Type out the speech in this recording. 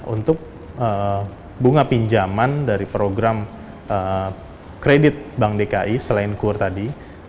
untuk bunga pinjaman dari program kredit bank dki selain kur tadi